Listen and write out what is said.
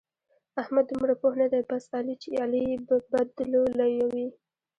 احمد دومره پوه نه دی؛ بس علي يې به بدلو لويوي.